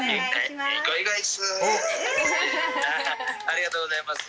ありがとうございます